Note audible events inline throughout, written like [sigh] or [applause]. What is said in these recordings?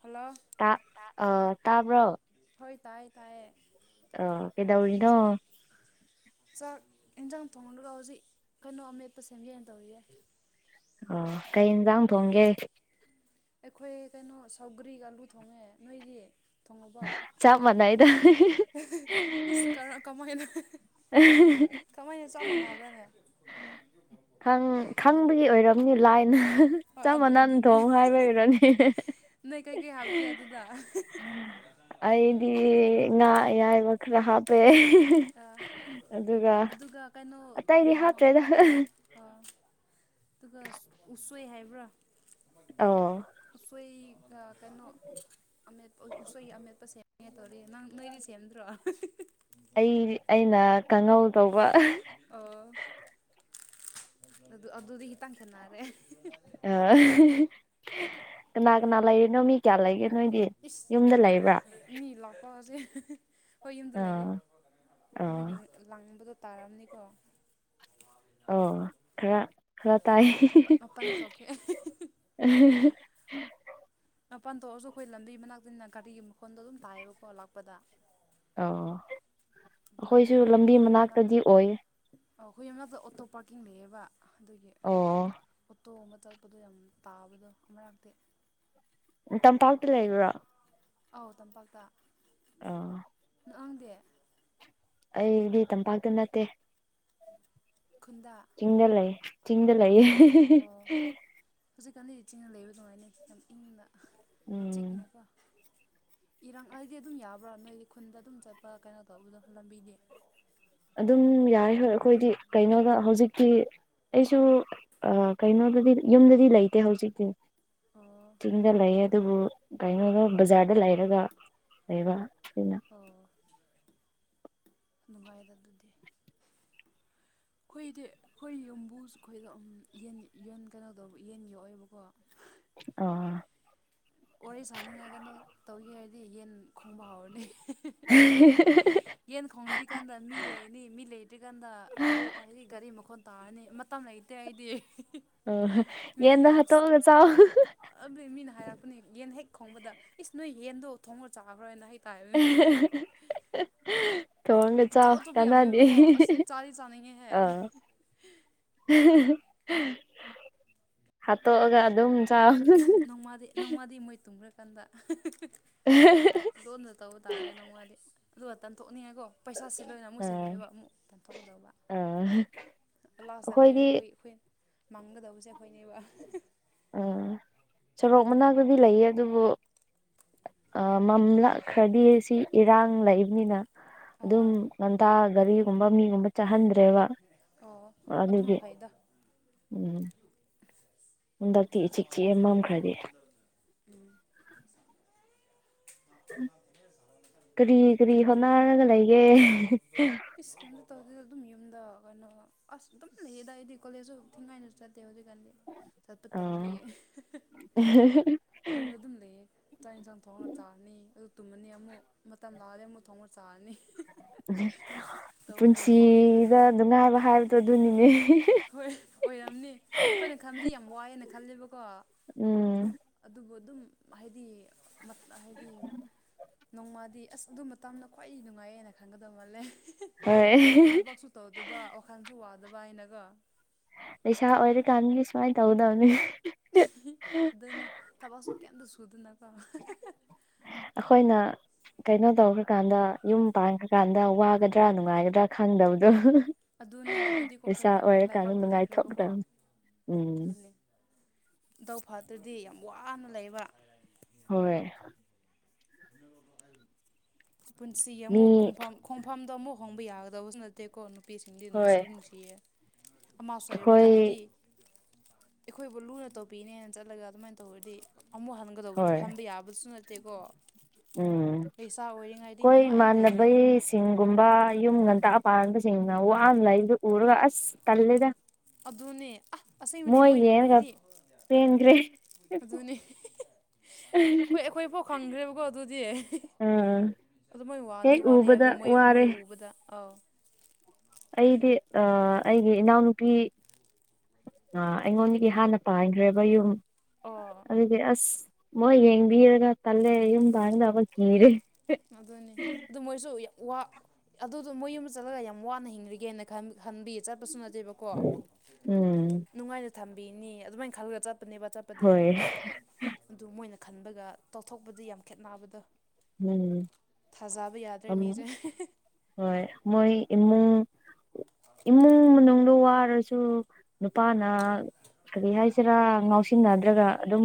hello ꯇꯥ ꯑ ꯇꯥꯕ꯭ꯔꯣ ꯍꯣꯏ ꯇꯥꯏꯌꯦ ꯇꯥꯏꯌꯦ ꯑ ꯀꯩꯗꯧꯔꯤꯅꯣ ꯆꯥꯛ ꯌꯦꯟꯁꯥꯡ ꯊꯣꯡꯒ ꯍꯧꯖꯤꯛ ꯀꯩꯅꯣ ꯑꯃꯦꯠꯄ ꯁꯦꯝꯖꯦꯅ ꯇꯧꯔꯤꯌꯦꯏ ꯑꯣ ꯀꯩ ꯌꯦꯟꯖꯥꯡ ꯊꯣꯡꯒꯦ ꯑꯩꯈꯣꯏ ꯀꯩꯅꯣ ꯁꯧꯒ꯭ꯔꯤ ꯑꯂꯨ ꯊꯣꯡꯉꯦ ꯅꯣꯏꯗꯤ ꯊꯣꯡꯉꯕꯣ ꯆꯞ ꯃꯥꯟꯅꯩꯗ ꯑꯩꯁ ꯀ ꯀꯃꯥꯏꯅ ꯀꯃꯥꯏꯅ ꯆꯞ ꯃꯥꯟꯅꯕ꯭ꯔꯥꯅꯦ ꯈꯪ ꯈꯪꯕꯒꯤ ꯑꯣꯏꯔꯝꯅꯤ ꯂꯥꯏꯅ ꯍꯣꯏ ꯆꯞ ꯑꯗꯨ ꯃꯅꯟ ꯊꯣꯡ ꯍꯥꯏꯕ ꯑꯣꯏꯔꯅꯤ ꯀꯩ ꯀꯩ ꯍꯥꯞꯀꯦ ꯑꯗꯨꯗ ꯉ ꯌꯥꯏ ꯈ꯭ꯔꯍꯥ ꯄꯦ ꯑꯗꯨꯒ ꯀꯩꯅꯣ ꯎ ꯑꯇꯩꯗꯤ ꯍꯣꯏ ꯍꯥꯞꯇ꯭ꯔꯦꯗ ꯑ ꯑꯗꯨꯒ ꯎꯁꯣꯏ ꯍꯥꯏꯕ꯭ꯔꯥ ꯑꯣ ꯑꯩꯣꯏ ꯀꯩꯅꯣ ꯑꯃꯦꯠꯄ ꯎꯁꯣꯏ ꯑꯃꯦꯠꯄ ꯁꯦꯝꯉꯦ ꯇꯧꯔꯤ ꯅꯪ ꯅꯣꯏꯗꯤ ꯁꯦꯝꯗ꯭ꯔꯣ ꯑꯩ ꯑꯩꯅ ꯀꯥꯡꯉꯧ ꯇꯧꯕ ꯑꯥ ꯑꯗꯨ ꯑꯗꯨꯗꯤ ꯍꯈꯤꯇꯥꯡ ꯈꯦꯠꯅꯔꯦ ꯑ ꯀꯅꯥ ꯀꯅꯥ ꯂꯩꯔꯅꯣ ꯃꯤ ꯀꯌꯥ ꯂꯩꯒꯦ ꯅꯣꯏꯗꯤ ꯏꯁ ꯌꯨꯝꯗ ꯂꯩꯕ꯭ꯔꯥ ꯃꯤ ꯂꯥꯛꯄꯁꯦ ꯍꯣꯏ ꯌꯗ ꯑꯥ ꯂꯩꯌꯦꯦ ꯑꯥ ꯑꯗꯨꯒꯤ ꯂꯥꯡꯕꯗꯣ ꯇꯥꯔꯝꯅꯤꯀꯣ ꯑꯣ ꯈꯔ ꯈꯔ ꯇꯥꯏ ꯃꯄ ꯃꯄꯟꯁ ꯑꯣꯀꯦ ꯎ ꯃꯄꯥꯟ ꯊꯣꯛꯑꯁꯨ ꯑꯩꯈꯣꯏ ꯂꯝꯕꯤ ꯃꯅꯥꯛꯇꯅ ꯒꯥꯔꯤꯒꯤ ꯃꯈꯣꯟꯗ ꯑꯗꯨꯝ ꯇꯥꯏꯌꯦꯕꯀꯣ ꯂꯥꯛꯄꯗ ꯑ ꯑꯩꯈꯣꯏꯁꯨ ꯂꯝꯕꯤ ꯃꯅꯥꯛꯇꯗꯤ ꯑꯣꯏ ꯑꯣ ꯑꯩꯈꯣꯏ ꯃꯗ ꯑꯣꯇꯣ ꯄꯥꯔꯀꯤꯡ ꯂꯩꯌꯦꯕ ꯑꯗꯨꯒꯤ ꯑꯣ ꯇꯣꯕ ꯇꯛꯄꯗꯣ ꯌꯥꯝ ꯇꯥꯕꯗꯣ ꯑꯃꯔꯥꯛꯛꯇꯤ ꯎ ꯇꯝꯄꯥꯛꯇ ꯂꯩꯕ꯭ꯔꯣ ꯑꯧ ꯇꯝꯄꯥꯛꯇ ꯑꯥ ꯅꯪꯪꯗꯦ ꯑꯩꯗꯤ ꯇꯝꯄꯥꯛꯇ ꯅꯠꯇꯦ ꯈꯨꯟꯗ ꯆꯤꯡꯗ ꯂꯩ ꯆꯤꯡꯗ ꯑꯣ ꯂꯩꯌꯦ ꯑꯣ ꯍꯧꯖꯤꯛꯀꯥꯟꯗꯤ ꯆꯤꯡꯅ ꯂꯩꯕ ꯑꯗꯨꯃꯥꯏꯅ ꯏꯪꯅ ꯎꯝ ꯤꯛꯅꯕ ꯏꯔꯥꯡ ꯍꯥꯏꯗꯤ ꯑꯗꯨꯝ ꯌꯥꯕ꯭ꯔꯥ ꯅꯣꯏꯗꯤ ꯈꯨꯟꯗ ꯑꯗꯨꯝ ꯆꯠꯄ ꯀꯩꯅꯣ ꯇꯧꯕꯗꯣ ꯂꯝꯕꯤꯗꯤ ꯑꯗꯨꯝ ꯌꯥꯏ ꯍꯣꯏ ꯑꯩꯈꯣꯏꯗꯤ ꯀꯩꯅꯣꯗ ꯍꯧꯖꯤꯛꯇꯤ ꯑꯩꯁꯨ ꯀꯩꯅꯣꯗꯗꯤ ꯌꯨꯝꯗꯗꯤ ꯂꯩꯇꯦ ꯍꯧꯖꯤꯛꯇꯤ ꯑꯣ ꯆꯤꯡꯗ ꯂꯩ ꯑꯗꯨꯕꯨ ꯀꯩꯅꯣꯗ ꯕꯖꯥ꯭ꯔꯗ ꯂꯩꯔꯒ ꯂꯩꯕ ꯁꯤꯅ ꯑꯣ ꯅꯨꯡꯉꯥꯏꯗ ꯑꯗꯨꯗꯤ ꯑꯩꯈꯣꯏꯗꯤ ꯑꯩꯈꯣꯏ ꯌꯨꯝꯕꯨ ꯑꯩꯈꯣꯏꯗꫭ ꯑꯝ ꯌꯦꯟ ꯌꯟ ꯀꯩꯅꯣ ꯇꯧꯕ ꯌꯦꯟ ꯌꯣꯛꯑꯦꯕꯀꯣ ꯑꯥ ꯋꯥꯔꯤ ꯁꯥꯅꯤꯡꯉꯒꯅ ꯇꯧꯒꯦ ꯍꯥꯏꯔꯗꯤ ꯌꯦꯟ ꯈꯣꯡꯕ ꯍꯥꯎꯔꯅꯤ [unintelligible] ꯌꯦꯟ ꯈꯣꯡꯗ꯭ꯔꯤꯀꯥꯟꯗ ꯃꯤ ꯂꯩꯅꯤ ꯃꯤ ꯂꯩꯇ꯭ꯔꯤꯀꯥꯟꯗ ꯑꯣꯇꯣ ꯍꯥꯏꯔꯤ ꯒꯥꯔꯤ ꯃꯈꯣꯟ ꯇꯥꯅꯤ ꯃꯇꯝ ꯂꯩꯇꯦ ꯑꯩꯗꯤ ꯑꯥ ꯌꯦꯟ ꯍꯥꯠꯇꫭꯛꯑꯒ ꯆꯥꯎ ꯑꯗꯨ ꯃꯤꯅ ꯍꯥꯏꯔꯛꯄꯅꯦ ꯌꯦꯟ ꯍꯦꯛ ꯈꯣꯡꯕꯗ ꯏꯁ ꯅꯣꯏ ꯌꯦꯟꯗꯣ ꯊꯣꯡꯉꯒ ꯆꯥꯈ꯭ꯔꯣꯅ ꯍ [unintelligible] ꯊꫭꯡꯉꯒ ꯑꯆꯧ ꯆꯥꯎ ꯑꯆꯧꯕ ꯀꯅꯥꯗꯦ ꯌꯥꯝꯃꯦꯕꯀꯣ ꯑꯁ ꯆꯥꯗꯤ ꯆꯥꯅꯤꯡꯉꯦꯍꯦ ꯑ ꯍꯥꯠꯇꯣꯛꯑꯒ ꯑꯗꯨꯝ ꯆꯥꯎ ꯏꯁ ꯅꯣꯡꯃꯥꯗꯤ ꯅꯣꯡꯃꯥꯗꯤ ꯃꯣꯏ ꯇꯨꯝꯈ꯭ꯔꯀꯥꯟꯗ ꯂꯣꯟꯅ ꯇꯧꯕ ꯇꯥꯔꯦ ꯅꯣꯡꯃꯗꯤ ꯑꯗꯨ ꯇꯥꯟꯊꯣꯛꯅꯤꯡꯉꯦꯀꯣ ꯄꯩꯁꯥꯁꯤ ꯂꯣꯏꯅ ꯑꯃꯨꯛ ꯑꯥ ꯁꯤꯜꯂꯛꯏꯕ ꯑꯃꯨꯛ ꯇꯥꯟꯊꯣꯛꯀꯗꯧꯕ ꯑꯥ ꯂꯥꯁꯇ ꯑꯩꯈꯣꯏꯅ ꯑꯩꯈꯣꯏꯗꯤ ꯑꯩꯈꯣꯏ ꯑꯩꯈꯣꯏ ꯃꯥꯡꯒꯗꯕꯁꯦ ꯑꯩꯈꯣꯏꯅꯦꯕ ꯎꯝ ꯁꯣꯔꯣꯛ ꯃꯅꯥꯛꯇꯗꯤ ꯂꯩꯌꯦ ꯑꯗꯨꯕꯨ ꯃꯝꯂꯛꯈ꯭ꯔꯗꯤ ꯁꯤ ꯏꯔꯥꯡ ꯂꯩꯕꯅꯤꯅ ꯑꯗꯨꯝ ꯑꯥ ꯉꯟꯇꯥ ꯒꯥꯔꯤꯒꯨꯝꯕ ꯃꯤꯒꯨꯝꯕ ꯆꯥꯍꯟꯗ꯭ꯔꯦꯕ ꯑꯣ ꯑꯗꯨꯅ ꯑꯗꯨꯒꯤ ꯐꯩꯗ ꯎꯝ ꯍꯟꯗꯛꯇꯤ ꯏꯆꯤ ꯆꯤꯛꯑꯦ ꯃꯝꯈ꯭ꯔꯗꯤ ꯎꯝ [unintelligible] ꯀꯔꯤ ꯀꯔꯤ ꯍꯣꯠꯅꯔꯒ ꯂꯩꯒꯦ [unintelligible] ꯏꯁ ꯀꯤꯝꯇ ꯇꯧꯗꯦꯗ ꯑꯗꯨꯝ ꯌꯨꯝꯗ ꯀꯩꯅꯣ ꯑꯁ ꯑꯗꯨꯝ ꯂꯩꯌꯦꯗꯥ ꯑꯩꯗꯤ ꯀꯂꯦꯖꯁꯨ ꯊꯤꯡꯉꯥꯏ ꯆꯠꯇꯦ ꯍꯧꯖꯤꯛ ꯀꯥꯟꯗꯤ ꯆꯠꯄ ꯑꯥ ꯇꯥꯟꯕꯒꯤ ꯌꯨꯝꯗ ꯑꯗꯨꯝ ꯂꯩꯌꯦ ꯆꯥꯛ ꯌꯦꯟꯁꯥꯡ ꯊꯣꯡꯉꯒ ꯆꯥꯔꯅꯤ ꯑꯗꯨ ꯇꯨꯝꯃꯅꯤ ꯑꯃꯨꯛ ꯃꯇꯝ ꯂꯥꯛꯑꯗꯤ ꯑꯃꯨꯛ ꯊꯣꯡꯉꯒ ꯆꯥꯔꯅꯤ ꯇꯧꯕꯕꯨ ꯑꯗꯨ ꯉꯥꯛꯇꯅꯤ ꯄꯨꯟꯁꯤꯗ ꯍꯧꯖꯤꯛꯀꯥꯟꯗꯤ ꯅꯨꯡꯉꯥꯏꯕ ꯍꯥꯏꯕꯗꯣ ꯑꯗꯨꯅꯤꯅꯦ ꯍꯣꯏ ꯑꯣꯏꯔꯝꯅꯤ ꯑꯩꯏꯅ ꯈꯟꯕꯗꯤ ꯌꯥꯝ ꯋꯥꯏꯑꯦꯅ ꯈꯜꯂꯦꯕꯀꯣ ꯎꯝ ꯑꯗꯨꯕꯨ ꯑꯗꯨꯝ ꯍꯥꯏꯗꯤ ꯃꯠ ꯍꯥꯏꯗꯤ ꯅꯣꯡꯃꯗꯤ ꯑꯁ ꯑꯗꯨ ꯃꯇꯝꯗꫭ ꯈ꯭ꯋꯥꯏꯗꯒꯤ ꯅꯨꯡꯉꯥꯏꯌꯦꯅ ꯈꯟꯒꯗꯧ ꯃꯥꯜꯂꯦ ꯍꯣꯏ ꯊꯕꯛꯁꯨ ꯇꯧꯗꯕ ꯋꯥꯈꯜꯁꯨ ꯋꯥꯗꯕ ꯍꯥꯏꯅꯀꫭ ꯄꯩꯁꯥ ꯑꯣꯏꯔꯀꯥꯟꯗꯤ ꯁꯨꯃꯥꯏꯅ ꯇꯧꯗꯕꯅꯦ ꯑꯗꯨꯅꯤ ꯊꯕꯛꯁꯨ ꯀꯩꯝꯇ ꯁꯨꯗꯅꯀ ꯑꯩꯈꯣꯏꯅ ꯀꯩꯅꯣ ꯇꯧꯈ꯭ꯔꯀꯥꯟꯗ ꯌꯨꯝ ꯄꯥꯟꯈ꯭ꯔꯀꯥꯟꯗ ꯋꯥꯒꯗ꯭ꯔꯥ ꯅꯨꯡꯉꯥꯏꯒꯗ꯭ꯔꯥ ꯈꯪꯗꯕꯗꯣ ꯑꯗꯨꯅꯦ ꯑꯗꯨꯗꯤꯀꯣ ꯑꯩꯈꯣꯏ ꯂꯩꯁꯥ ꯑꯣꯏꯔꯀꯥꯟꯗ ꯂꯩꯕꯥꯛꯇ ꯂꯩꯈ꯭ꯔꯦꯕꯀꯣ ꯅꯨꯡꯉꯥꯏꯊꯣꯛꯇꯕꯅꯤ ꯎꯝ ꯑꯗꯨꯅꯦ ꯗꯥꯎ ꯐꯠꯇ꯭ꯔꯗꯤ ꯌꯥꯝ ꯋꯥꯅ ꯂꯩꯕ ꯍꯣꯏ ꯄꯨꯟꯁꯤ ꯃꯤ ꯑꯃꯨꯛ ꯈꯣꯡꯐꯝ ꯈꯣꯡꯐꯝꯗꯨ ꯑꯃꯨꯛ ꯍꯣꯡꯕ ꯌꯥꯒꯗꯕꯁꯨ ꯅꯠ ꯇꯦꯀꯣ ꯅꯨꯄꯤꯁꯤꯡꯗꯤ ꯍꯣꯏ ꯅꯨꯡꯁꯤ ꯅꯨꯡꯁꯤꯌꯦ ꯑꯃꯁꯨ ꯍꯥꯏꯔꯕꯗ ꯑꯩꯈꯣꯏ ꯍꯥꯏꯗꯤ ꯑꯩꯈꯣꯏꯕꯨ ꯂꯨꯅ ꯇꯧꯕꯤꯅꯦꯅ ꯆꯠꯂꯒ ꯑꯗꯨꯃꯥꯏꯅ ꯇꯧꯕꯔꯗꯤ ꯑꯃꯨꯛ ꯍꯟꯒ ꯀꯗꯧꯕ ꯍꯣꯏ ꯍꯥꯟꯕ ꯌꯥꯕꯁꯨ ꯅꯠꯇꯦꯀꯣ ꯎꯝ ꯂꯩꯁꯥ ꯑꯣꯏꯔꯤꯉꯩꯗꯤ ꯑꯩꯈꯣꯏ ꯅꯨꯡꯉꯥꯏꯅ ꯂꯩꯔꯤ ꯏꯃꯥꯟꯅꯕ ꯁꯤꯡꯒꯨꯝꯕ ꯌꯨꯝ ꯉꯟꯇ ꯄꯥꯗꯁꯤꯡꯅ ꯑꯟꯂꯥꯏꯟꯗ ꯎꯔꯒ ꯑꯁ ꯇꯜꯂꯦꯗ ꯑꯗꯨꯅꯦ ꯑ ꯑꯁꯦꯡꯕꯅꯦ ꯃꯣꯏ ꯍꯥꯏꯗꯤ ꯄꯦꯟꯈ꯭ꯔꯦ ꯑꯗꯨꯅꯦ ꯑꯩꯈꯣꯏ ꯑꯩꯈꯣꯏꯐꯥꯎ ꯈꯪꯗ꯭ꯔꯦꯕꯀꯣ ꯑꯗꯨꯗꯤ ꯎꯝ ꯑꯗꯨ ꯃꯣꯏ ꯋꯥꯅꯤ ꯍꯦꯛ ꯋꯥꯅꯤ ꯎꯕꯗ ꯍꯥꯏꯕꯗꯣ ꯃꯣꯏ ꯃꯣꯏ ꯋꯥꯔꯦ ꯎꯕꯗ ꯑꯥꯎ ꯑꯩꯗꯤ ꯑꯩꯒꯤ ꯏꯅꯥꯎꯅꯨꯄꯤ ꯑ ꯑꯩꯉꯣꯟꯗꯒꯤ ꯍꯥꯟꯅ ꯄꯥꯟꯈ꯭ꯔꯦꯕ ꯌꯨꯝ ꯑꯣꯥ ꯑꯗꯨꯗꯤ ꯑꯁ ꯃꯣꯏ ꯌꯦꯡꯕꯤꯔꯒ ꯇꯜꯂꯦ ꯌꯨꯝ ꯄꯗꯕ ꯀꯤꯔꯦ ꯑꯗꯅꯤ ꯑꯗꯨ ꯃꯣꯏꯁꯨ ꯋꯥ ꯑꯗꯨꯗꯣ ꯃꯣꯏ ꯌꯨꯝꯗ ꯆꯠꯂꯒ ꯌꯥꯝ ꯋꯥꯅ ꯍꯤꯡꯂꯤꯒꯦꯅ ꯈꯟꯕꯤꯌꯦ ꯆꯠꯄꯁꯨ ꯅꯠꯇꯦ ꯦꯕꯀꯣ ꯎꯝ ꯅꯨꯡꯉꯥꯏꯅ ꯊꯝꯕꯤꯅꯦ ꯑꯗꯨꯃꯥꯏꯅ ꯈꯜꯂꯒ ꯆꯠꯄꯅꯦꯕ ꯆꯠꯄ ꯀꯞꯄꯗ ꯍꯣꯏ ꯑꯗꯨ ꯃꯣꯏꯅ ꯈꯟꯕꯒ ꯇꯧꯊꯣꯛꯄꯗꯤ ꯌꯥꯝ ꯈꯦꯠꯅꯕꯗꯣ ꯎꯝ ꯊꯥꯖꯕ ꯌꯥꯗ꯭ꯔꯦ ꯃꯤꯁꯦ ꯍꯣꯏ ꯃꯣꯏ ꯏꯃꯨꯡ ꯏꯃꯨꯡ ꯃꯅꯨꯡꯗ ꯋꯥꯔꯁꯨ ꯑꯗꯨ ꯅꯨꯄꯥꯅ ꯀꯔꯤ ꯍꯥꯏꯁꯤꯔꯥ ꯉꯥꯎꯁꯤꯟꯅꯗ꯭ꯔꯒ ꯑꯗꯨꯝ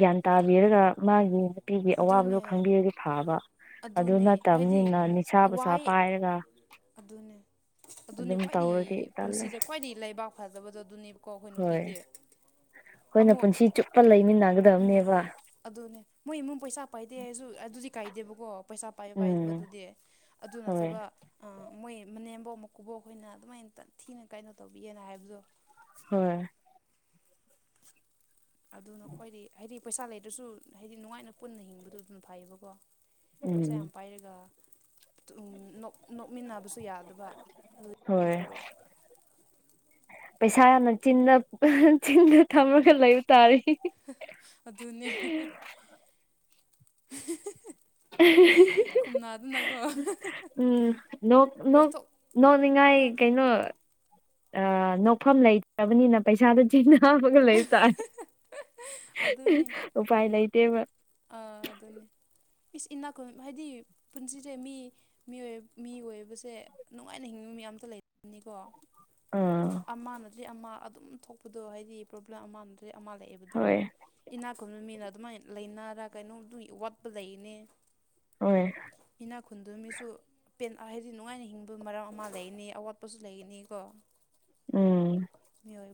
ꯒ꯭ꯌꯥꯟ ꯇꯥꯕꯤꯔꯒ ꯃꯥꯒꯤ ꯅꯨꯄꯤꯒꯤ ꯑꯋꯥꯕꯗꯨꯣ ꯑꯗꯨꯅꯦ ꯈꯪꯕꯤꯔꯒ ꯐꯥꯕ ꯑꯗꯨ ꯑꯗꯨꯅꯦ ꯍꯥꯏꯗꯤ ꯅꯠꯇꯕꯅꯤꯅ ꯅꯤꯁꯥ ꯁꯥ ꯋꯥꯏ ꯄꯥꯏꯔꯒ ꯑꯗꯨꯅꯦ ꯑꯗꯨꯅꯤ ꯑꯗꯨꯝ ꯈ꯭ꯋꯥꯏꯗꯒꯤ ꯇꯧꯔꯗꯤ ꯇꯜꯂꯦ ꯄꯨꯟꯁꯤꯗ ꯈ꯭ꯋꯥꯏꯗꯒꯤ ꯂꯩꯕꯥꯛ ꯐꯖꯕꯗꯣ ꯑꯗꯨꯅꯦꯕꯀꯣ ꯑꯩꯈꯣꯏ ꯍꯣꯏ ꯅꯨꯄꯤꯗꯤ ꯑꯩꯈꯣꯏꯅ ꯑꯃꯨꯛ ꯄꯨꯟꯁꯤ ꯆꯨꯞꯄ ꯎꯝ ꯂꯩꯃꯤꯟꯅꯒꯗꯕꯅꯦꯕ ꯑꯗꯨꯅꯦ ꯃꯣꯏ ꯏꯃꯨꯡ ꯄꯩꯁꯥ ꯄꯥꯏꯗꯦ ꯍꯥꯏꯁꯨ ꯑꯗꯨꯗꯤ ꯀꯥꯏꯗꯦꯕꯀꯣ ꯄꯩꯁꯥ ꯄꯥꯏꯕ ꯎꯝ ꯄꯥꯏꯗꯕꯗꯨꯗꯤ ꯑꯗꯨ ꯍꯣꯏ ꯅꯠꯇꯕ ꯑ ꯃꯣꯏ ꯃꯅꯦꯝꯕꯧ ꯃꯀꯨꯕꯣꯛ ꯑꯩꯈꯣꯏꯅ ꯑꯗꯨꯃꯥꯏꯅ ꯊꯤꯅ ꯀꯥꯏꯩꯅꯣ ꯇꯧꯕꯤꯦꯅ ꯍꯥꯏꯕꯗꯣ ꯍꯣꯏ ꯑꯗꯨꯅ ꯈ꯭ꯋꯥꯏꯗꯤ ꯍꯥꯏꯗꯤ ꯄꯩꯁꯥ ꯂꯩꯗ꯭ꯔꯁꯨ ꯍꯥꯏꯗꯤ ꯅꯨꯡꯉꯥꯏꯅ ꯄꯨꯟꯅ ꯍꯤꯡꯕꯗ ꯑꯗꯨꯝ ꯐꯩꯌꯦꯕꯀꯣ ꯄꯩꯁꯥ ꯎꯝ ꯌꯥꯝ ꯄꯥꯏꯔꯒ ꯅꯣꯛꯃꯤꯟꯅꯕꯁꯨ ꯌꯥꯗ ꯑꯗꯨꯒ ꯑꯗꯨ ꯍꯣꯏ ꯇꯣꯡꯖꯔꯛꯑꯣ ꯄꯩꯁꯥ ꯌꯥꯝꯅ ꯆꯤꯟꯅ ꯆꯤꯟꯅ ꯊꯝꯃꯒ ꯂꯩꯕ ꯇꯥꯔꯦ ꯑꯗꯨꯅꯦ ꯈꯨꯝꯅꯥꯗꯨꯅꯀꯣ ꯎꯝ ꯅꯣꯛ ꯅꯣꯛ ꯅꯣꯛꯅꯤꯡꯉꯥꯏ ꯑꯗꯨ ꯀꯩꯅꯣ ꯑ ꯅꯣꯛꯐꯝ ꯂꯩꯇ꯭ꯔꯕꯅꯤꯅ ꯄꯩꯁꯥꯗ ꯆꯖꯤ ꯑꯃꯒ ꯂꯩꯕ ꯇꯥꯔꯦ ꯑꯗꯨꯅꯤ ꯎꯥꯏ ꯂꯩꯇꯕ ꯑꯥ ꯑꯗꯨꯅꯦ ꯏꯁ ꯏꯅꯥꯈ ꯍꯥꯏꯗꯤ ꯄꯨꯟꯁꯤꯁꯦ ꯃꯤ ꯃꯤ ꯑꯣꯏꯕꯁꯦ ꯅꯨꯡꯉꯥꯏꯅ ꯍꯤꯡꯕ ꯃꯤ ꯑꯇ ꯂꯩꯅꯤꯀꯣ ꯑꯥ ꯑꯃꯅꯗ꯭ꯔꯔꯤ ꯑꯃ ꯑꯗꯨꯝ ꯊꯣꯛꯄꯗꯣ ꯍꯥꯏꯗꯤ ꯄ꯭ꯔꯣꯕ꯭ꯂꯦꯝ ꯑꯃꯅꯗ꯭ꯔꯔꯤ ꯑꯃ ꯂꯩꯑꯕ ꯗꯣ ꯍꯣꯏ ꯏꯅꯥꯛ ꯈꯨꯟꯕ ꯃꯤꯅ ꯑꯗꯨꯃꯥꯏꯅ ꯂꯩꯅꯔ ꯀꯩꯅꯣꯝꯗꯨ ꯋꯥꯠꯄ ꯂꯩꯅꯦ ꯍꯣꯏ ꯏꯅꯥ ꯈꯨꯟꯗ ꯃꯤꯁꯨ ꯄꯦꯟ ꯍꯥꯏꯗꯤ ꯅꯨꯡꯉꯥꯏꯅ ꯍꯤꯡꯕꯒꯤ ꯃꯔꯝ ꯑꯃ ꯂꯩꯅꯤ ꯑꯋꯥꯠꯄꯁꯨ ꯂꯩꯅꯤ ꯀꯣ ꯎꯝ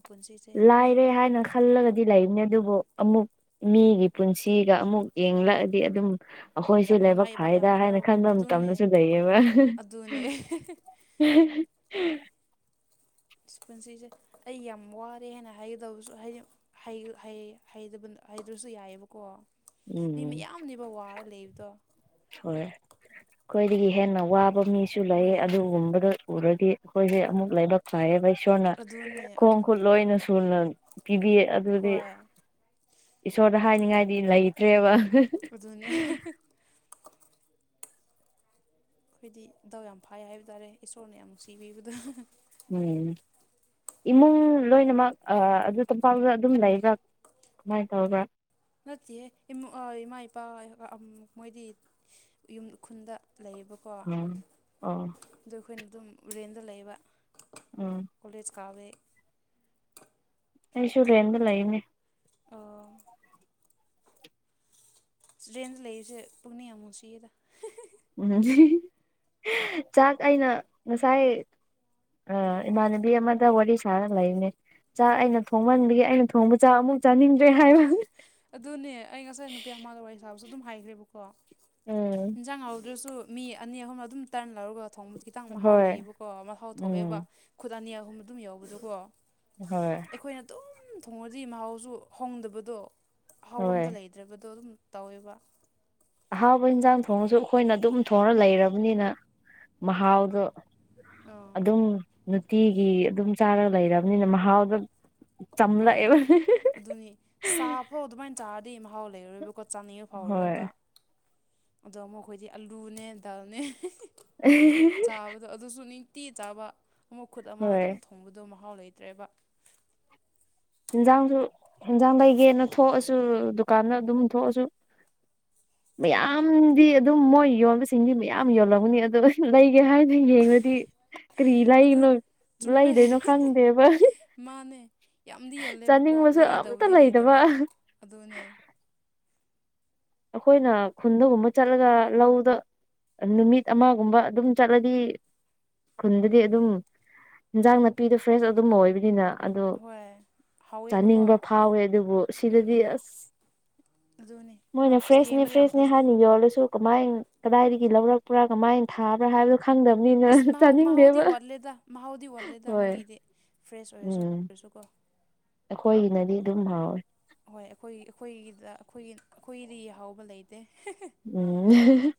ꯄꯨꯟꯁꯤꯁꯦ ꯃꯤ ꯂꯥꯏꯔꯦ ꯍꯥꯏꯅ ꯈꯜꯂꯒꯗꯤ ꯂꯩꯕꯅꯤ ꯑꯗꯨꯕꯨ ꯑꯃꯨꯛ ꯃꯤꯒꯤ ꯄꯨꯟꯁꯤꯒ ꯑꯃꯨꯛ ꯌꯦꯡꯂꯛꯑꯗꯤ ꯑꯗꯨꯝ ꯑꯩꯈꯣꯏꯁꯦ ꯌꯥꯝ ꯂꯥꯏꯕꯛ ꯅꯨꯡꯉꯥꯏꯕ ꯐꯥꯏꯗ ꯌꯥꯝ ꯍꯥꯏꯅ ꯍꯔꯥꯎꯕ ꯈꯟꯕ ꯑꯗꯨꯅꯦ ꯃꯇꯝꯗꯁꯨ ꯂꯩꯌꯦꯕ ꯑꯗꯨꯅꯦ ꯎꯝ ꯄꯨꯟꯁꯤꯁꯦ ꯑꯩ ꯌꯥꯝ ꯋꯥꯔꯦ ꯍꯥꯏꯅ ꯍꯥꯏꯒꯗꯕꯁꯨ ꯍꯥꯏ ꯍꯩꯗ꯭ꯔꯁꯨ ꯌꯥꯏꯑꯕꯀꯣ ꯃꯤ ꯎꯝ ꯃꯌꯥꯝꯅꯦꯕ ꯋꯥꯔ ꯂꯩꯕꯗꯣ ꯍꯣꯏ ꯑꯩꯈꯣꯏꯗꯒꯤ ꯍꯦꯟꯅ ꯋꯥꯕ ꯃꯤꯁꯨ ꯂꯩ ꯍꯣꯏ ꯑꯗꯨꯒꯨꯝꯕꯗ ꯎꯔꯗꯤ ꯑꯩꯈꯣꯏꯁꯦ ꯑꯃꯨꯛ ꯂꯥꯏꯕꯛ ꯐꯥꯏꯌꯦꯕ ꯏꯁꯣꯔꯅ ꯑꯗꯨꯅꯦ ꯈꯣꯡ ꯈꯨꯠ ꯑꯗꯨꯅꯦ ꯂꯣꯏꯅ ꯁꯨꯅ ꯄꯤꯕꯤꯌꯦ ꯑꯗꯨꯗꯤ ꯍꯣꯏ ꯏꯁꯣꯔꯗ ꯑꯗꯨꯅꯦ ꯍꯥꯏꯅꯤꯡꯉꯥꯏꯗꯤ ꯂꯩꯇ꯭ꯔꯦꯕ ꯑꯗꯨꯅꯦ ꯑꯩꯈꯣꯏꯗꯤ ꯗꯥꯎ ꯌꯥꯝ ꯐꯥꯏ ꯍꯥꯏꯕ ꯇꯥꯔꯦ ꯏꯁꯣꯔꯅ ꯌꯥꯝ ꯅꯨꯡꯁꯤꯕꯤꯕꯗ ꯎꯝ ꯏꯃꯨꯡ ꯂꯣꯏꯅꯃꯛ ꯑꯗꯨ ꯇꯣꯝꯄꯥꯛꯗ ꯑꯗꯨꯝ ꯂꯩꯕ꯭ꯔꯥ ꯀꯃꯥꯏꯅ ꯇꯧꯕ꯭ꯔꯥ ꯅꯠꯇꯦ ꯏꯃꯥ ꯏꯄꯥ ꯃꯣꯏꯗꯤ ꯌꯨꯝ ꯎꯈꯨꯟꯗ ꯂꯩꯔꯤꯕ ꯎꯝ ꯑꯣ ꯑꯗ ꯑꯩꯈꯣꯏꯅ ꯑꯗꯨꯝ ꯔꯨꯔꯦꯟꯗ ꯂꯩꯌꯦꯕ ꯎꯝ ꯀꯣꯂꯦꯖ ꯀꯕꯦ ꯑꯩꯁꯨꯨꯔꯦꯟꯅ ꯂꯩꯅꯦ ꯑ ꯗꯦꯟꯗ ꯂꯩꯔꯤꯁꯦ ꯄꯨꯛꯅꯤꯡ ꯌꯥꯝ ꯃꯨꯁꯤꯌꯦꯗ ꯆꯥꯛ ꯑꯩꯅ ꯉꯁꯥꯏ ꯑ ꯏꯃꯥꯟꯅꯕꯤ ꯑꯃꯗ ꯋꯥꯔꯤ ꯁꯥꯔꯒ ꯂꯩꯅꯦ ꯆꯥꯛ ꯎꯝ ꯑꯩꯅ ꯊꯣꯡꯍꯟꯕꯒꯤ ꯑꯩꯅ ꯊꯣꯡꯕ ꯆꯥꯛ ꯑꯃꯨꯛ ꯆꯥꯅꯤꯡꯗ꯭ꯔꯦ ꯍꯥꯏꯕ ꯑꯗꯨꯅꯦ ꯑꯩ ꯉꯁꯥꯏ ꯅꯨꯄꯤ ꯑꯃꯗ ꯋꯥꯔꯤ ꯁꯥꯕꯁꯨ ꯑꯗꯨꯝ ꯍꯥꯏꯈ꯭ꯔꯦꯕꯀꯣ ꯎꯝ ꯏꯟꯖꯥꯡ ꯍ ꯑꯗꯨꯁꯨ ꯃꯤ ꯑꯅꯤ ꯑꯍꯨꯝꯅ ꯑꯗꯨꯝ ꯇꯔꯟ ꯂꯧꯔꯒ ꯊꯣꯡꯕꯁꯨ ꯈꯤꯇꯪ ꯃꯍꯥꯎ ꯍꯣꯏ ꯂꯩꯌꯦꯕꯀꯣ ꯃꯍꯥꯎ ꯊꯣꯛꯑꯦꯕ ꯎꯝ ꯈꯨꯠ ꯑꯅꯤ ꯑꯍꯨꯝꯕ ꯑꯗꯨꯝ ꯌꯥꯎꯕꯗꯀꯣ ꯍꯣꯏ ꯑꯩꯈꯣꯏꯅ ꯇꯨꯝ ꯊꯣꯡꯉꯗꯤ ꯃꯍꯥꯎꯁꯨ ꯍꯣꯡꯗꯕꯗꯣ ꯑꯥꯎꯕ ꯍꯣꯏ ꯑꯝꯗ ꯂꯩꯗ꯭ꯔꯕꯗꯣ ꯑꯗꯨꯝ ꯇꯧꯋꯦꯕ ꯑꯍꯥꯎꯕ ꯌꯦꯟꯁꯥꯡ ꯊꯣꯡꯉꯁꯨ ꯑꯩꯈꯣꯏꯅ ꯑꯗꯨꯝ ꯊꯣꯡꯉ ꯂꯩꯔꯕꯅꯤꯅ ꯃꯍꯥꯎꯗꯣ ꯑꯥ ꯑꯗꯨꯝ ꯅꯨꯡꯇꯤꯒꯤ ꯑꯗꯨꯝ ꯆꯥꯔꯒ ꯂꯩꯔꯕꯅꯤꯅ ꯃꯍꯥꯎꯗ ꯍꯣꯏ ꯑꯗꯨꯅꯤ ꯁꯥꯞ ꯍꯣ ꯑꯗꯨꯃꯥꯏꯅ ꯇꯥꯔꯗꯤ ꯃꯍꯥꯎ ꯂꯩꯔꯣꯏꯕꯀꯣ ꯆꯥꯅꯤꯡꯉ ꯍꯣꯏ ꯐꯥꯎꯔꯔꯣꯏꯕ ꯑꯗꯣ ꯃꯈꯣꯏꯗꯤ ꯑꯂꯨꯅꯦ ꯗꯥꯜꯅꯦ ꯆꯥꯕꯗꯣ ꯑꯗꯨꯁꯨ ꯅꯤꯡꯇꯤ ꯆꯥꯕ ꯑꯃ ꯈꯨꯠ ꯑꯃꯅ ꯍꯣꯏ ꯑꯗꯨꯝ ꯊꯣꯡꯕꯗꯣ ꯃꯍꯥꯎ ꯂꯩꯇ꯭ꯔꯦꯕ ꯌꯦꯟꯖꯥꯡꯁꯨ ꯌꯦꯟꯖꯥꯡ ꯂꯩꯒꯦꯅ ꯊꯣꯛꯑꯁꯨ ꯗꯨꯀꯥꯟꯗ ꯑꯗꯨꯝ ꯊꯣꯛꯑꯁꯨ ꯃꯌꯥꯝꯗꯤ ꯑꯗꯨꯝ ꯃꯣꯏ ꯌꯣꯟꯕꯁꯤꯡꯗꯤ ꯃꯌꯥꯝ ꯌꯣꯜꯂꯝꯒꯅꯤ ꯑꯗꯣ ꯂꯩꯒꯦ ꯍꯥꯏꯗꯨꯅ ꯌꯦꯡꯗꯤ ꯀꯔꯤ ꯑꯗꯨ ꯂꯩꯅꯣ ꯆꯨꯝꯃꯦ ꯂꯩꯗꯣꯏꯅꯣ ꯈꯪꯗꯦꯕ ꯃꯥꯅꯦ ꯌꯥꯝꯗꯤ ꯌꯣꯜꯂꯦꯕꯀꯣ ꯆꯥꯅꯤꯡꯕꯁꯨ ꯑꯝꯇ ꯂꯩꯒꯗꯕꯨꯗꯤ ꯂꯩꯇꯕ ꯑꯗꯨꯅꯦ ꯑꯩꯈꯣꯏꯅ ꯈꯨꯟꯗꯒꯨꯝꯕ ꯆꯠꯂꯒ ꯂꯧꯗ ꯅꯨꯃꯤꯠ ꯑꯃꯒꯨꯝꯕ ꯑꯗꯨꯝ ꯆꯠꯂꯗꯤ ꯈꯨꯟꯗꯗꯤ ꯑꯗꯨꯝ ꯏꯟꯖꯥꯡ ꯅꯥꯄꯤꯗꯣ ꯐ꯭ꯔꯦꯁ ꯑꯗꯨꯝꯕ ꯑꯣꯏꯕꯅꯤꯅ ꯑꯗꯣ ꯍꯣꯏ ꯆꯥꯅꯤꯡꯕ ꯍꯥꯎꯋꯦꯕꯀꯣ ꯐꯥꯎꯋꯦ ꯑꯗꯨꯕꯨ ꯁꯤꯗꯗꯤ ꯑꯁ ꯑꯗꯨꯗꯣꯅꯦ ꯃꯣꯏꯅ ꯐ꯭ꯔꯦꯁꯅꯦ ꯐ꯭ꯔꯦꯁꯅꯦ ꯍꯥꯟꯅ ꯌꯣꯜꯂꯁꯨ ꯀꯃꯥꯏ ꯀꯗꯥꯏꯗꯒꯤ ꯂꯧꯔꯛꯄ꯭ꯔꯥ ꯀꯃꯥꯏꯅ ꯊꯥꯕ꯭ꯔꯥ ꯍꯥꯏꯕꯗꯨ ꯏꯁ ꯃꯍꯥꯎ ꯃꯍꯥꯎꯗꯤ ꯋꯥꯔꯂꯦꯗ ꯃꯍꯥꯎꯗꯤ ꯋꯥꯔꯂꯦꯗ ꯍꯣꯏ ꯃꯣꯏꯒꯤꯗꯤ ꯐ꯭ꯔꯦꯁ ꯑꯣꯏꯔꯁꯨ ꯎꯝ ꯑꯣꯏꯔꯁꯨ ꯀꯣ ꯑꯩꯈꯣꯏꯒꯤꯅꯗꯤ ꯑꯗꯨꯝ ꯍꯥꯎꯋꯦ ꯍꯣꯏ ꯑꯩꯈꯣꯏ ꯑꯩꯈꯣꯏꯒꯤꯗ ꯑꯩꯈꯣꯏ ꯑꯩꯈꯣꯏꯗꯤ ꯌꯥꯍꯥꯎꯕ ꯂꯩꯇꯦ ꯎꯝ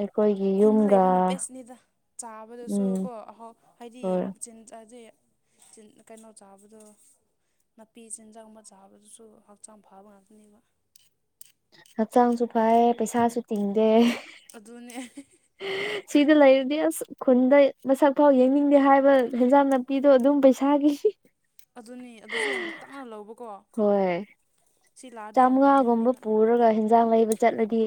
ꯑꯩꯈꯣꯏꯒꯤ ꯈꯨꯟꯗ ꯌꯨꯝꯒ ꯂꯩꯕꯅ ꯕꯦꯁꯅꯤꯗ ꯆꯥꯕꯗꯁꯨ ꯎꯝ ꯀꯣ ꯑꫭꯍꫭ ꯍꯥꯏꯗꯤ ꯍꯣꯏ ꯆꯤꯟ ꯑꯖꯦ ꯆꯤꯟ ꯀꯩꯅꯣ ꯆꯥꯕꯗꯣ ꯅꯥꯄꯤ ꯆꯤꯟꯖꯥꯛ ꯑꯃ ꯆꯥꯕꯗꯨꯁꯨ ꯍꯛꯆꯥꯡ ꯐꯕ ꯉꯥꯛꯇꯅꯦꯕ ꯍꯛꯆꯥꯡꯁꯨ ꯐꯩ ꯄꯩꯁꯥꯁꯨ ꯇꯤꯡꯗꯦ ꯑꯗꯨꯅꯦ ꯁꯤꯗ ꯂꯩꯔꯗꯤ ꯑꯁ ꯈꯨꯟꯗ ꯃꯁꯛ ꯐꯥꯎ ꯌꯦꯡꯅꯤꯡꯗꯦ ꯍꯥꯏꯕ ꯍꯟꯖꯥꯡ ꯅꯥꯄꯤꯗꯣ ꯑꯗꯨꯝ ꯄꯩꯁꯥꯒꯤ ꯑꯗꯨꯅꯤ ꯑꯗꯨꯁꯨ ꯌꯥꯝ ꯇꯥꯡꯅ ꯂꯧꯕꯀꯣ ꯁꯤ ꯂꯥꯛꯑꯗꯤ ꯌꯥꯝ ꯆꯥꯝꯉꯥꯒꯨꯝꯕ ꯄꯥꯝꯅꯅꯦꯕ ꯄꯨꯔꯒ ꯍꯤꯟ ꯍꯟꯖꯥꯡ ꯂꯩꯕ ꯆꯠꯂꯗꯤ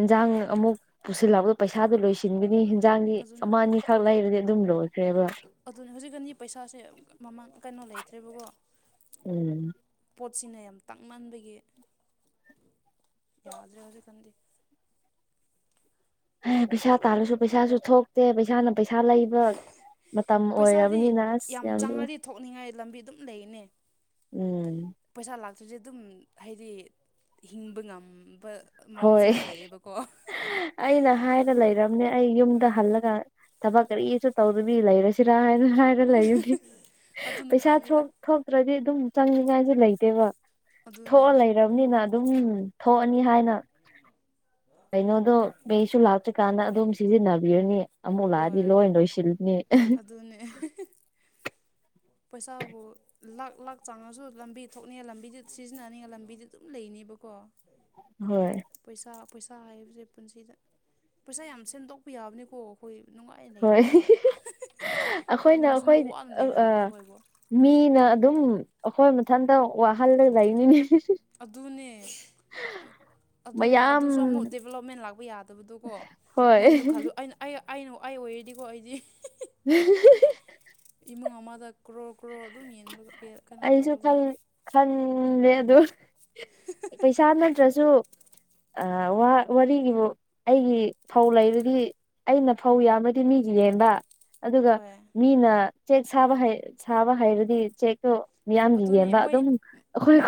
ꯍꯟꯖꯥꯡ ꯑꯃꯨꯛ ꯄꯨꯁꯤꯜꯂꯛꯄꯗ ꯄꯩꯁꯥꯗꯣ ꯂꯣꯏꯁꯤꯟ ꯁꯤꯟꯕꯅꯤ ꯍꯟꯖꯥꯡꯗꯤ ꯑꯗꯨꯅꯤ ꯑꯃ ꯑꯅꯤꯈꯛ ꯂꯩꯕꯗꯤ ꯑꯗꯨꯝ ꯂꯣꯏꯈ꯭ꯔꯦꯕ ꯑꯗꯨꯅꯤ ꯍꯧꯖꯤꯛꯀꯅꯤ ꯄꯩꯁꯥꯁꯦ ꯃꯃꯥꯡ ꯀꯩꯅꯣ ꯂꯩꯇ꯭ꯔꯦꯕꯀꯣ [unintelligible] ꯄꯣꯠꯁꯤꯅ ꯌꯥꯝ ꯇꯥꯡꯃꯟꯕꯒꯤ ꯌꯥꯗ꯭ꯔꯦ ꯍꯧꯖꯤꯛꯀꯥꯟꯗꯤ ꯑꯦ ꯄꯩꯁꯥ ꯇꯥꯜꯂꯁꯨ ꯄꯩꯁꯥꯁꯨ ꯊꯣꯛꯇꯦ ꯄꯩꯁꯥꯅ ꯄꯩꯁꯥ ꯂꯩꯕ ꯃꯇꯝ ꯄꯩꯁꯥꯗꯤ ꯑꯣꯏꯔꯕꯅꯤꯅ ꯑꯁ ꯌꯥꯝ ꯂꯨꯏ ꯆꯪꯉꯗꯤ ꯊꯣꯛꯅꯤꯡꯉꯥꯏ ꯂꯝꯕꯤ ꯑꯗꯨꯝ ꯂꯩꯅꯦ ꯎꯝ ꯄꯩꯁꯥ ꯂꯥꯛꯇ꯭ꯔꯤꯁꯦ ꯑꯗꯨꯝ ꯍꯥꯏꯗꯤ ꯍꯤꯡꯕ ꯉꯝꯕ ꯃꯑꯣꯡꯁꯨ ꯍꯣꯏ ꯑꯗꯨꯝ ꯂꯩꯌꯦꯕꯀꯣ ꯑꯩꯅ ꯍꯥꯏꯔ ꯂꯩꯔꯝꯅꯦ ꯑꯩ ꯌꯨꯝꯗ ꯍꯜꯂꯒ ꯊꯕꯛ ꯀꯔꯤꯁꯨ ꯇꯧꯗꯕꯤ ꯂꯩꯔꯁꯤꯔ ꯍꯥꯏꯅ ꯍꯥꯏꯅ ꯂꯩꯔꯕꯅꯤ ꯑꯗꯨꯅ ꯄꯩꯁꯥ ꯐꯅꯤꯗ ꯊꯣꯛ ꯊꯣꯛꯇ꯭ꯔꯗꯤ ꯑꯗꯨꯝ ꯆꯪꯅꯤꯉꯥꯏꯁꯨ ꯂꯩꯇꯦꯕ ꯑꯗꯨꯅꯦ ꯊꯣꯛꯑ ꯂꯩꯔꯕꯅꯤꯅ ꯑꯗꯨꯝ ꯊꯣꯛꯑꯅꯤ ꯍꯥꯏꯅ ꯑꯗꯨꯅ ꯀꯩꯅꯣꯗꯣ ꯄꯦꯁꯨ ꯂꯥꯛꯇ꯭ꯔꯤꯀꯥꯟꯗ ꯑꯗꯨꯝ ꯁꯤꯖꯤꯟꯅꯕꯤꯔꯅꯤ ꯑꯃꯨꯛ ꯂꯥꯛꯑꯗꯤ ꯍꯣꯏ ꯂꯣꯏ ꯂꯣꯏꯁꯤꯜꯂꯅꯤ ꯑꯗꯨꯅꯦ ꯄꯩꯁꯥꯕꯨ ꯂꯥꯛ ꯂꯥꯛ ꯆꯥꯡꯉꯁꯨ ꯂꯝꯕꯤ ꯊꯣꯛꯅꯤꯡꯉꯥꯏ ꯂꯝꯕꯤꯗ ꯁꯤꯖꯤꯟꯅꯅꯤꯡꯉꯥꯏ ꯂꯝꯕꯤꯗꯤ ꯑꯗꯨꯝ ꯂꯩꯅꯤꯕ ꯀꯣ ꯍꯣꯏ ꯄꯩꯁꯥ ꯄꯩꯁꯥ ꯍꯥꯏꯕꯁꯦ ꯄꯨꯟꯁꯤꯗ ꯄꯩꯁꯥ ꯌꯥꯝ ꯁꯦꯝꯗꯣꯛꯄ ꯌꯥꯕꯅꯤꯀꯣ ꯑꯩꯈꯣꯏ ꯅꯨꯡꯉꯥꯏꯅ ꯍꯣꯏ ꯂꯩꯅꯕ ꯑꯩꯈꯣꯏꯅ ꯀꯔꯤꯅꯣ ꯁꯨꯝꯕꯨ ꯑꯩꯈꯣꯏ ꯋꯥꯅ ꯂꯩꯍꯟꯕꯗꯣ ꯑꯩꯈꯣꯏꯕꯣ ꯃꯤꯅ ꯑꯗꯨꯝ ꯑꯩꯈꯣꯏ ꯃꯊꯟꯇ ꯋꯥꯍꯜꯂꯒ ꯂꯩꯅꯤꯅꯦ ꯑꯗꯨꯅꯦ ꯑꯗꯨꯅꯦ ꯃꯌꯥꯝ ꯑꯗꯨꯁꯨ ꯑꯃꯨꯛ ꯗꯦꯕꯂꯞꯃꯦꯟ ꯂꯥꯛꯄ ꯌꯥꯗꯕꯗꯨꯀꯣ ꯍꯣꯏ ꯃꯣꯏꯅ ꯈꯜꯂꯨ ꯑꯩꯅ ꯑꯩ ꯑꯩꯅ ꯑꯩ ꯑꯣꯏꯔꯗꯤꯀꯣ ꯑꯩꯗꯤ [unintelligible] ꯏꯃꯨꯡ ꯑꯃꯗ ꯀ꯭ꯔꯣ ꯀ꯭ꯔꯣ ꯑꯗꯨꯝ ꯌꯦꯟꯕꯒ ꯑꯩꯁꯨ ꯈꯟ ꯈꯜꯂꯦ ꯑꯗꫭ ꯄꯩꯁꯥ ꯅꯠꯇ꯭ꯔꯁꯨ ꯑꯩ ꯋ ꯋꯥꯔꯤꯒꯤꯕꯨ ꯑꯩꯒꯤ ꯐꯧ ꯂꯩꯔꯗꯤ ꯑꯩꯅ ꯐꯧ ꯌꯥꯝꯕꯗꯤ ꯃꯤꯒꯤ ꯌꯦꯟꯕ ꯑꯗꯨꯒ ꯍꯣꯏ ꯃꯤꯅ ꯆꯦꯛ ꯁꯥꯕ ꯍꯩ ꯁꯥꯕ ꯍꯩꯔꯗꯤ ꯆꯦꯛꯇꯣ ꯃꯤꯌꯥꯝꯒꯤ ꯑꯗꯨꯅꯦ ꯌꯦꯟꯕ ꯃꯣꯏ ꯑꯗꯨꯝ ꯑꯩꯈꯣꯏ ꯃꯣꯏ